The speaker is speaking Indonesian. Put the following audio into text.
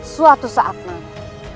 suatu saat nanti